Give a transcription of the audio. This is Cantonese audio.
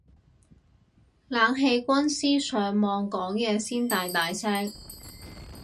冷氣軍師上網講嘢先大大聲